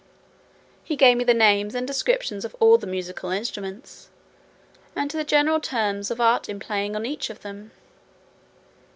He gave me the names and descriptions of all the musical instruments, and the general terms of art in playing on each of them.